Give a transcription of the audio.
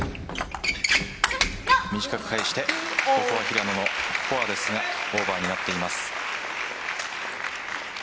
短く返してここは平野のフォアですがオーバーになっています。